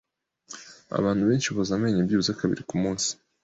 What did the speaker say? Abantu benshi boza amenyo byibuze kabiri kumunsi.